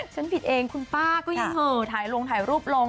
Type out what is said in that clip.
ฉันผิดเองคุณป้าก็ยังเหอะถ่ายลงถ่ายรูปลง